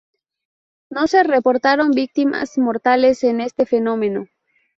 No se reportaron víctimas mortales en este fenómeno.